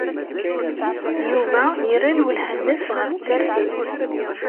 Yuba yerra lwelha-nnes ɣer tsertit.